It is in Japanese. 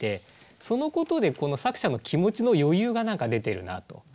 そのことでこの作者の気持ちの余裕が何か出てるなと。